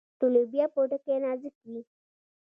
د لوبیا پوټکی نازک وي.